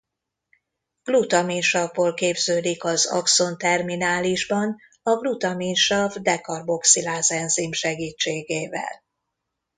Glutaminsavból képződik az axon terminálisban a glutaminsav-dekarboxiláz enzim segítségével.